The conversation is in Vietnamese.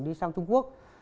đi sang trung quốc